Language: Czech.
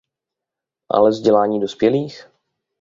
Ale vzdělávání dospělých?